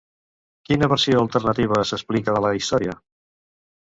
Quina versió alternativa s'explica de la història?